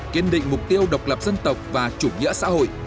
kiên định mục tiêu độc lập dân tộc và chủ nghĩa xã hội